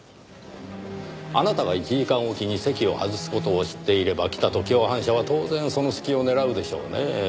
あなたが１時間おきに席を外す事を知っていれば北と共犯者は当然その隙を狙うでしょうねぇ。